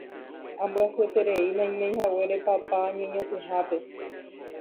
ambyasyeterei naimeihaguére papa ñeñotỹhápe